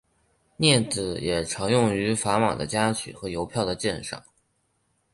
镊子也常用于砝码的夹取和邮票的鉴赏。